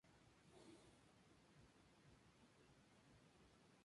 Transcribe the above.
Luego Blanch se retiró y entró a ocupar su lugar Adrián Barilari.